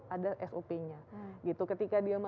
ada sop nya ketika dia menangguhkan maka bisa berubah